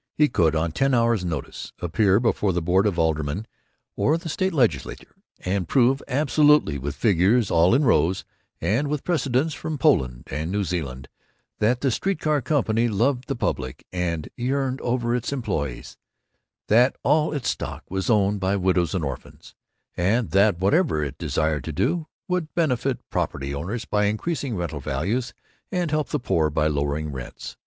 He could, on ten hours' notice, appear before the board of aldermen or the state legislature and prove, absolutely, with figures all in rows and with precedents from Poland and New Zealand, that the street car company loved the Public and yearned over its employees; that all its stock was owned by Widows and Orphans; and that whatever it desired to do would benefit property owners by increasing rental values, and help the poor by lowering rents.